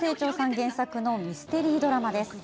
原作のミステリードラマです。